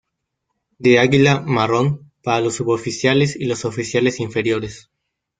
De águila, marrón, para los suboficiales y los oficiales inferiores.